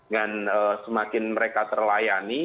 dengan semakin mereka terlayani